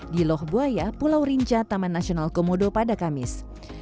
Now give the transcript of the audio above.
di lohbuaya pulau rinca taman nasional komodo pada kamis